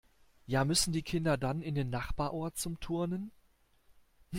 Ja müssen die Kinder dann in den Nachbarort zum Turnen?